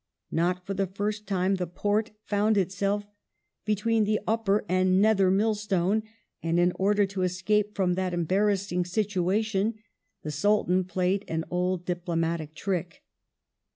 Not for the first time the Porte found itself between the upper and the nether millstone, and, in order to escape from that embarrass ing situation, the Sultan played an old diplomatic trick.